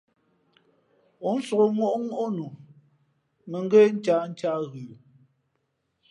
Ǒ nsōk ŋôʼŋó nu, mᾱ ngə́ ncahncǎh ghə̌.